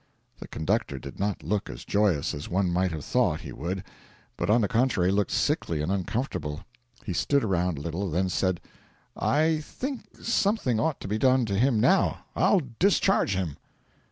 The conductor did not look as joyous as one might have thought he would, but on the contrary looked sickly and uncomfortable. He stood around a little; then said: 'I think something ought to be done to him now. I'll discharge him.'